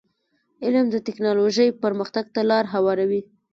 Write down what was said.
علم د ټکنالوژی پرمختګ ته لار هواروي.